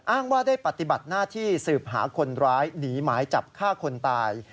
อ้างว่าได้ปฏิบัติหน้าที่สืบหาคนร้ายหนีหมายจับฆ่าคนตาย